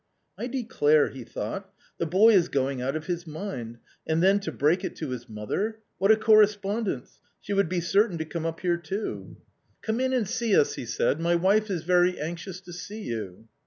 " I declare," he thought, " the boy is going out of his mind, and then to break it to his mother ; what a correspondence ! she would be certain to come up here too." 198 A COMMON STORY " Come in and see us," he said ;" my wife is very anxious to see you."